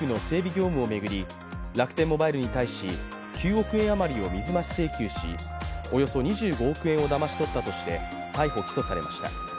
業務を巡り、楽天モバイルに対し、９億円余りを水増し請求しおよそ２５億円をだまし取ったとして逮捕・起訴されました。